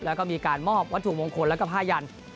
และก็มีการมอบวัตถุงมงคลและกับห้ายัน